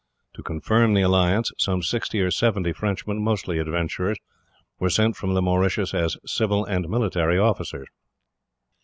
To confirm the alliance, some sixty or seventy Frenchmen, mostly adventurers, were sent from the Mauritius as civil and military officers.